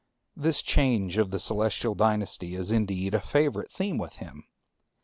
This change of the celestial dynasty is indeed a favorite theme with him.